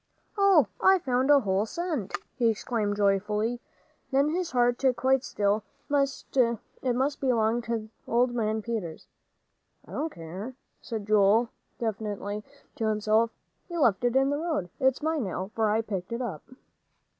"Oh, I've found a whole cent!" he exclaimed joyfully. Then his heart stood quite still. It must belong to old man Peters. "I don't care," said Joel, defiantly, to himself, "he left it in the road. It's mine, now, for I picked it up."